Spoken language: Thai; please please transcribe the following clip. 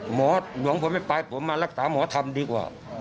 หมอหลวงผมไม่ไปผมมารักษาหมอธรรมดีกว่า